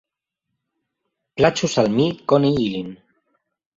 Plaĉus al mi koni ilin.